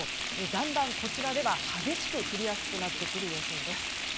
だんだんこちらでは激しく降りやすくなってくる予想です。